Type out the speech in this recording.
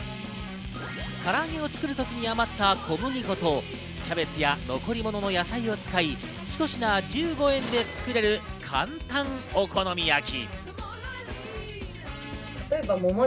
から揚げを作る時に余った小麦粉とキャベツや残り物の野菜を使い、ひと品１５円で作れる簡単お好み焼き。